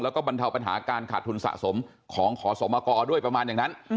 แล้วก็บรรเทาปัญหาการขาดทุนสะสมของขอสมกรด้วยประมาณอย่างนั้น